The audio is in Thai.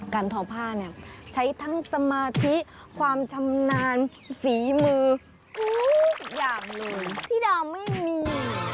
การทอผ้าใช้ทั้งสมาธิความชำนาญฝีมือทุกอย่างหนึ่งที่เราไม่มี